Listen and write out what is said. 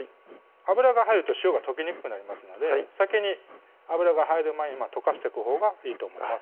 油が入ると塩が溶けにくくなりますので先に油が入る前に溶かしとくほうがいいと思います